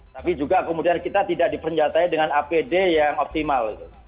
tapi juga kemudian kita tidak diperinjatai dengan apd yang optimal